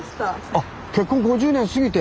あっ結婚５０年過ぎて。